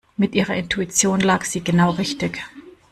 Mit ihrer Intuition lag sie genau richtig.